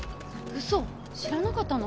ウソ知らなかったの？